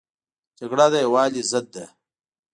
جګړه د یووالي ضد ده